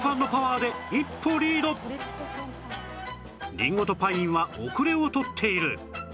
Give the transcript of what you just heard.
りんごとパインは後れを取っている